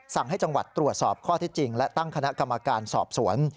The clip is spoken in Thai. สั่งให้จังหวัดตรวจสอบข้อที่จริงและตั้งคณะกรรมการสอบสวน